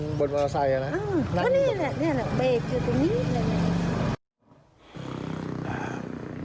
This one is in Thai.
อื้อนี่แหละนี่แหละเบรกอยู่ตรงนี้